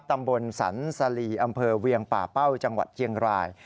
ตำบลสันสลีอำเภอเวียงป่าเป้าจังหวัดเชียงราย